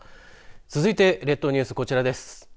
続いて列島ニュースこちらです。